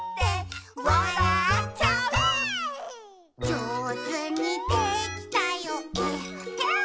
「じょうずにできたよえっへん」